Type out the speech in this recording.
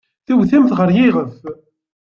Tewtem-t ɣer yiɣef.